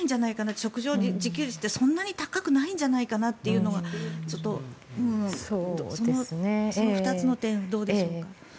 食料自給率ってそんなに高くないんじゃないかなというその２つの点はどうでしょうか？